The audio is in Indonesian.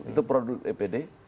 itu produk dpd